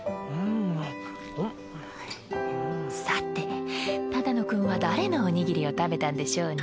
さて只野くんは誰のおにぎりを食べたんでしょうね？